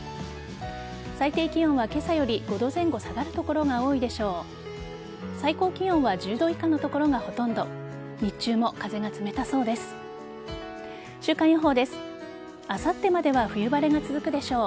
最低気温は今朝より５度前後下がる所が多いでしょう。